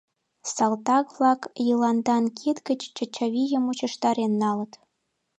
Салтак-влак Йыландан кид гыч Чачавийым мучыштарен налыт.